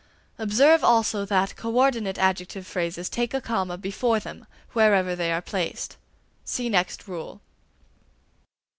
Observe also that co ordinate adjective phrases take a comma before them, wherever they are placed. (See next rule.)